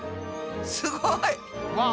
すごい！わ！